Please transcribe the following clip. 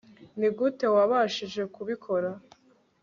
nigute wabashije kubikora